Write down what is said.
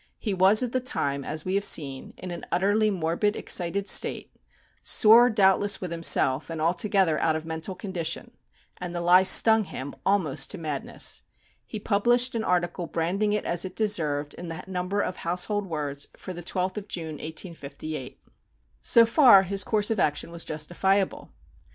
He was at the time, as we have seen, in an utterly morbid, excited state, sore doubtless with himself, and altogether out of mental condition, and the lie stung him almost to madness. He published an article branding it as it deserved in the number of Household Words for the 12th of June, 1858. So far his course of action was justifiable.